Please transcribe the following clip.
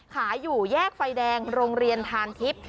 อยู่แยกไฟแดงโรงเรียนทานทิพย์